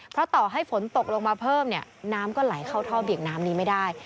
เพราะต่อให้ฝนตกลงมาเพิ่มเนี่ยน้ำก็ไหลเข้าท่อเบี่ยงน้ำนี้ไม่ได้